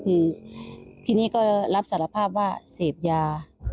บางนักสารภาพว่าเสพยา